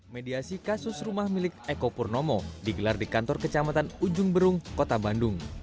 mediasi kasus rumah milik eko purnomo digelar di kantor kecamatan ujung berung kota bandung